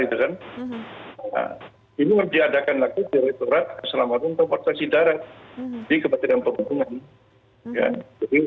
ini diadakan lagi di retorat selama itu untuk proteksi darah di kebetulan pemerintahan